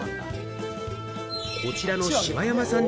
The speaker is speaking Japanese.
こちらの柴山さん